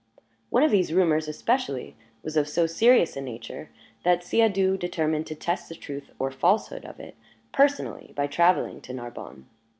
One of these rumors, especially, was of so serious a nature that Siadoux determined to test the truth or falsehood of it personally by traveling to Narbonne.